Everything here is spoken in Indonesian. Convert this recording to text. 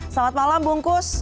selamat malam bungkus